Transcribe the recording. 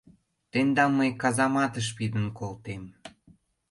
Тендам мый казаматыш пидын колтем!